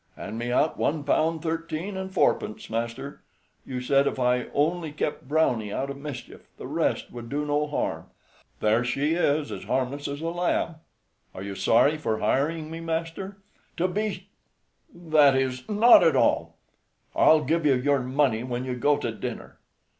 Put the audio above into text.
"Hand me out one pound thirteen and fourpence, master. You said if I only kept Browney out of mischief, the rest would, do no harm. There she is as harmless as a lamb. Are you sorry for hiring me, master?" "To be that is, not at all. I'll give you your money when you go to dinner.